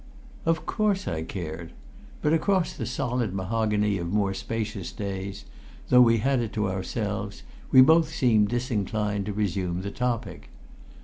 Of course I cared. But across the solid mahogany of more spacious days, though we had it to ourselves, we both seemed disinclined to resume the topic.